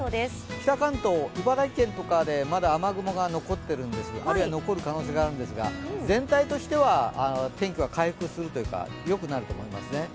北関東、茨城県とかでまだ雨雲が残っているんですが、あるいは残る可能性があるんですが、全体としては天気は回復するというか、よくなると思いますね。